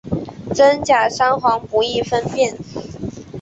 真假桑黄不易分辨。